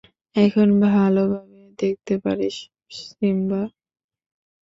এখন ভালোভাবে দেখতে পারিস, সিম্বা?